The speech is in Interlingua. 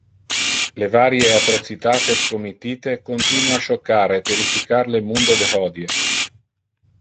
Le varie atrocitates committite continua a choccar e terrificar le mundo de hodie.